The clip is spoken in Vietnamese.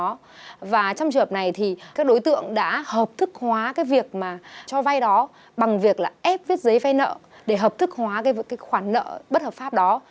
trong trường hợp này các đối tượng đã hợp thức hóa việc cho vay đó bằng việc ép viết giấy phai nợ để hợp thức hóa khoản nợ bất hợp pháp đó